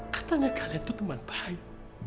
katanya kalian teman baik